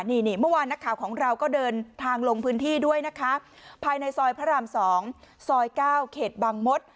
นี่เมื่อวานนักข่าวของเราก็เดินทางลงพื้นที่ด้วยนะคะภายในซอยพระราม๒ซอย๙เขตบางมด